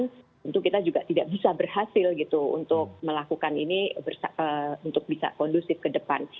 tentu kita juga tidak bisa berhasil gitu untuk melakukan ini untuk bisa kondusif ke depan